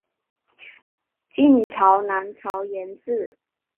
晋朝南朝沿置。